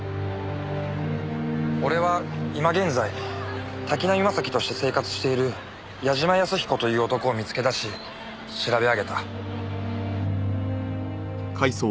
俺は今現在滝浪正輝として生活している矢島安彦という男を見つけ出し調べ上げた。